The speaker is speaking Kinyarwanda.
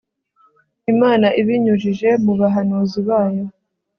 imana ibinyujije mu bahanuzi bayo